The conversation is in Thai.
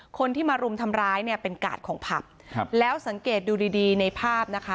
คนที่มารุมทำร้ายเนี่ยเป็นกาดของผับครับแล้วสังเกตดูดีดีในภาพนะคะ